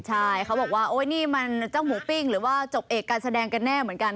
ใช่เขาบอกว่าโอ๊ยนี่มันเจ้าหมูปิ้งหรือว่าจบเอกการแสดงกันแน่เหมือนกัน